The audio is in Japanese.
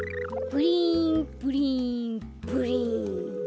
プリンプリンプリン。